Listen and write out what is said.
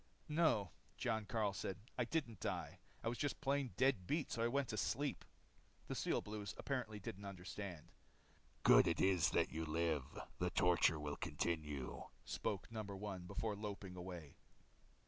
"No," Jon Karyl said. "I didn't die. I was just plain dead beat so I went to sleep." The Steel Blues apparently didn't understand. "Good it is that you live. The torture will continue," spoke No. 1 before loping away.